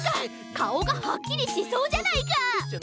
かおがはっきりしそうじゃないか！